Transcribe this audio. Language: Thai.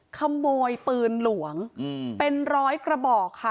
ขโมยปืนหลวงเป็นร้อยกระบอกค่ะ